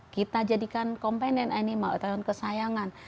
kita jadikan komponen animal atau hewan kesayangan